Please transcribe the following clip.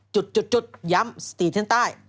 มีจุดย้ำสตรีทางใต้